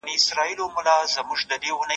آیا ستاسو په سیمه کې د انار ونې حاصل ورکوي؟